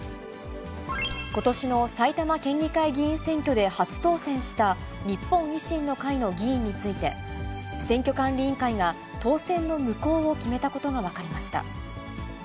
ことしの埼玉県議会議員選挙で初当選した日本維新の会の議員について、選挙管理委員会が、当選の無効を決めたことが分かりました。